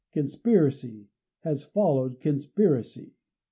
Conspiracy has followed conspiracy.